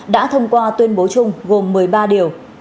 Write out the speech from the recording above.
đã thông qua tuyên bố chung gồm một mươi ba điều